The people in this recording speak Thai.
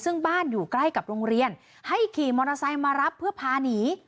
ซึ่งบ้านอยู่ใกล้กับโรงเรียนให้ขี่มอเตอร์ไซค์มารับเพื่อพาหนี